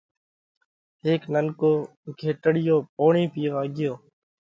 هيڪ ننڪو گھيٽڙِيو پوڻِي پيوا ڳيو۔